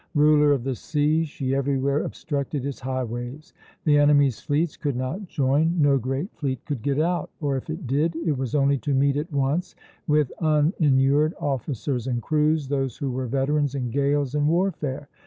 Ruler of the seas, she everywhere obstructed its highways. The enemies' fleets could not join; no great fleet could get out, or if it did, it was only to meet at once, with uninured officers and crews, those who were veterans in gales and warfare.